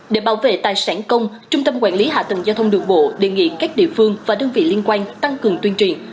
để bảo vệ tài sản công trung tâm quản lý hạ tầng giao thông đường bộ đề nghị các địa phương và đơn vị liên quan tăng cường tuyên truyền